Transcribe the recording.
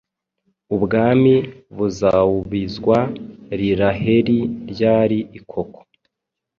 Ubwami buzaubizwa Iiraheli ryar ikoko